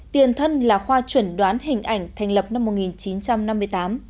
tiền thân là khoa chuẩn đoán hình ảnh thành lập năm một nghìn chín trăm năm mươi tám